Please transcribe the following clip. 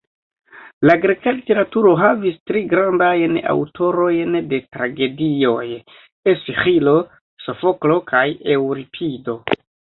La greka literaturo havis tri grandajn aŭtorojn de tragedioj: Esĥilo, Sofoklo kaj Eŭripido.